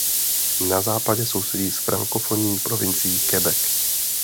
Na západě sousedí s frankofonní provincií Québec.